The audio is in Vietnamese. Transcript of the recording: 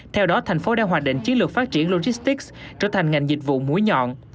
theo đó thành phố đang hoạch định chiến lược phát triển logistics trở thành ngành dịch vụ mũi nhọn